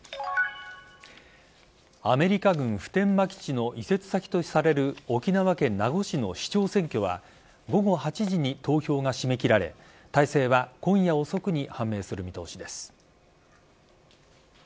アメリカ軍普天間基地の移設先とされる沖縄県名護市の市長選挙は午後８時に投票が締め切られ大勢は今夜遅くに判明する見通しです。